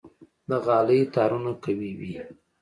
د غالۍ تارونه قوي وي.